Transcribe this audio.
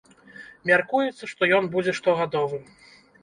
Мяркуецца, што ён будзе штогадовым.